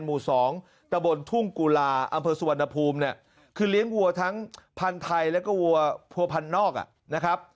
หมู่๒ตะบนทุ่งกุลาอำเภอสุวรรณภูมิเนี่ยคือเลี้ยงวัวทั้งพันธุ์ไทยแล้วก็วัวพันนอกนะครับ